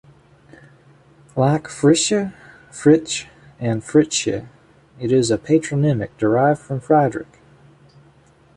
Like Fritsche, Fritzsch and Fritzsche, it is a patronymic derived from Friedrich.